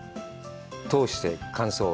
通して、感想は。